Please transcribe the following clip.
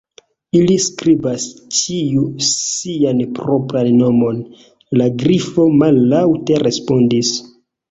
"Ili skribas ĉiu sian propran nomon," la Grifo mallaŭte respondis.